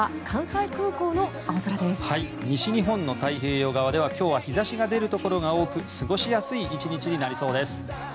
西日本の太平洋側では今日は日差しが出るところが多く過ごしやすい１日になりそうです。